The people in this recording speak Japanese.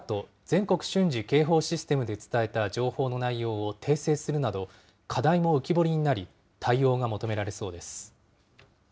・全国瞬時警報システムで伝えた情報の内容を訂正するなど、課題も浮き彫りになり、対応が求められそうです。